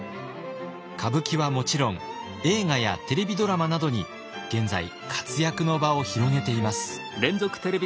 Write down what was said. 歌舞伎はもちろん映画やテレビドラマなどに現在活躍の場を広げています。